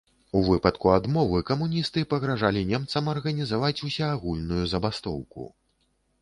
У выпадку адмовы камуністы пагражалі немцам арганізаваць усеагульную забастоўку.